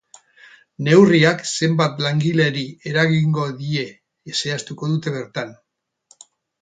Neurriak zenbat langileri eragingo die zehaztuko dute bertan.